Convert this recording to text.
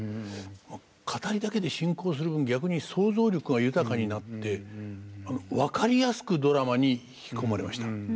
語りだけで進行する分逆に想像力が豊かになって分かりやすくドラマに引き込まれました。